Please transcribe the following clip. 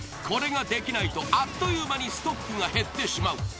これができないとあっという間にストックが減ってしまう。